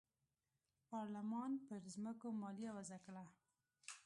پارلمان پر ځمکو مالیه وضعه کړه.